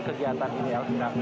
dari kegiatan ini elvira